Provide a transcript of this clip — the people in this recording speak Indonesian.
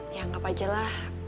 ya anggap aja lah